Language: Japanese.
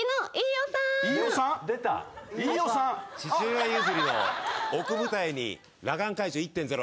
父親譲りの奥二重に裸眼解除１．０。